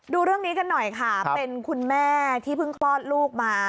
ดูเรื่องนี้กันหน่อยค่ะเป็นคุณแม่ที่เพิ่งคลอดลูกมา